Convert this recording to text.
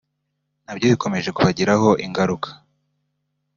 nabyo bikomeje kubagiraho ingaruka